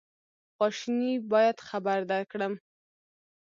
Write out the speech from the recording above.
خواشیني باید خبر درکړم.